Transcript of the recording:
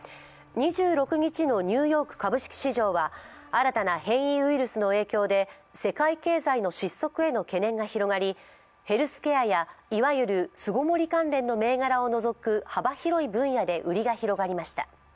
２６日のニューヨーク株式市場は新たな変異ウイルスの影響で世界経済の失速への懸念が広がりヘルスケアやいわゆる巣ごもり関連の銘柄を除く幅広い分野で売りが広がりました。